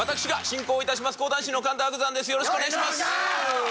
よろしくお願いします。